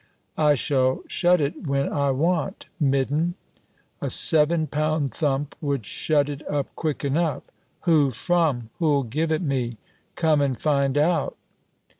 "I shall shut it when I want, midden!" "A seven pound thump would shut it up quick enough!" "Who from? Who'll give it me?" "Come and find out!"